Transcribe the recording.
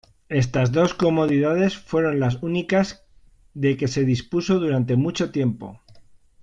Estas dos comodidades fueron las únicas de que se dispuso durante mucho tiempo.